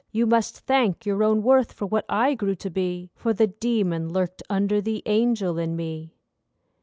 You must thank your own worth for what I grew to be, For the demon lurked under the angel in me.